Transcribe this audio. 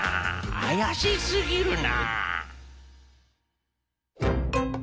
あやしすぎるな。